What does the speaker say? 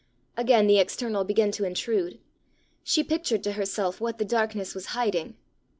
Again the external began to intrude. She pictured to herself what the darkness was hiding.